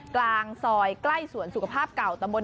กลางซอยใกล้สวนสุขภาพเก่าตะบน